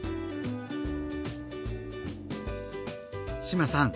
志麻さん